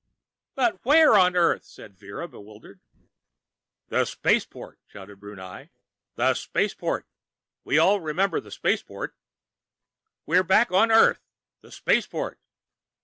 "But where on Earth?" said Vera, bewildered. "The Spaceport!" shouted Brunei. "The Spaceport! We all remember the Spaceport." "We're back on Earth! The Spaceport!"